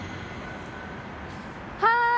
はい！